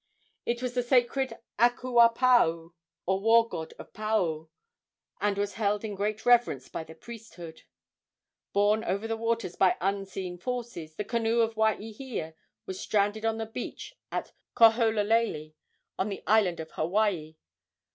It was the sacred Akuapaao, or war god of Paao, and was held in great reverence by the priesthood. Borne over the waters by unseen forces, the canoe of Waahia was stranded on the beach at Koholalele, on the island of Hawaii.